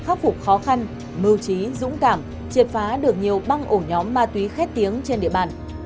khắc phục khó khăn mưu trí dũng cảm triệt phá được nhiều băng ổ nhóm ma túy khét tiếng trên địa bàn